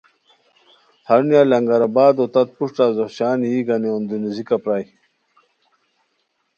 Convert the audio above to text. ہرونیہ لنگرآبادو تت پروشٹہ زوہچان یی گانی اوندو نیزیکہ پرائے